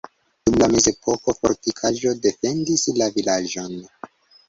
Dum la mezepoko fortikaĵo defendis la vilaĝon.